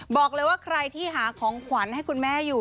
บอกเลยว่าใครที่หาของขวัญให้คุณแม่อยู่